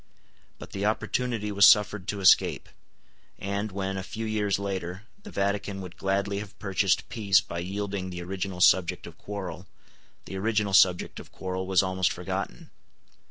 But the opportunity was suffered to escape; and, when, a few years later, the Vatican would gladly have purchased peace by yielding the original subject of quarrel, the original subject of quarrel was almost forgotten.